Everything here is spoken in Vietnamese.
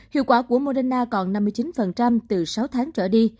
hiệu quả của moderna còn năm mươi chín từ sáu tháng trở đi